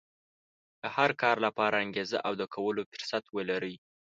د هر کار لپاره انګېزه او د کولو فرصت ولرئ.